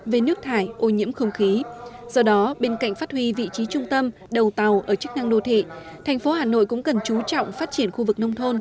về nước thải ô nhiễm không khí do đó bên cạnh phát huy vị trí trung tâm đầu tàu ở chức năng đô thị thành phố hà nội cũng cần chú trọng phát triển khu vực nông thôn